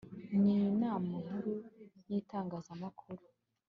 n Inama Nkuru y Itangazamakuru